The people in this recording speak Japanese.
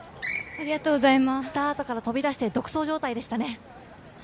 スタートから飛び出して独走状態でしたね。